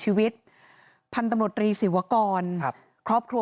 ปี๖๕วันเช่นเดียวกัน